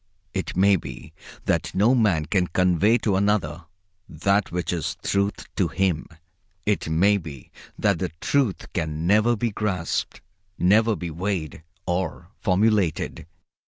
It may be that no man can convey to another that which is the Truth to him. It may be that the Truth can never be grasped, never be weighed or formulated.